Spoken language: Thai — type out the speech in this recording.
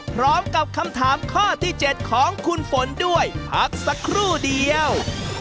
พร้อมกับคำถามข้อที่๗ของคุณฝนด้วยพักสักครู่เดียว